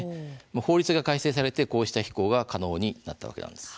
法律が改正されてこうした飛行が可能になったわけなんです。